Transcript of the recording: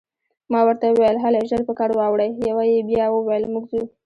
ما ورته وویل: هلئ، ژر په کار واوړئ، یوه یې بیا وویل: موږ ځو.